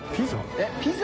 えっピザ？